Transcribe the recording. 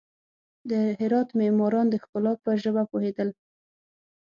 د هرات معماران د ښکلا په ژبه پوهېدل.